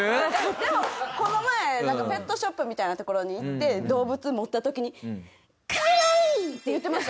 でもこの前ペットショップみたいなところに行って動物もった時にカワイイって言ってました。